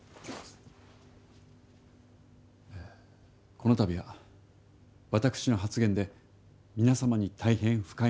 この度は、私の発言で皆様に大変、不快な思いを。